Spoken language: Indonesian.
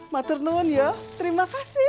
maturnuun yo terima kasih